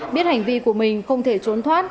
biết hành vi của mình không thể trốn thoát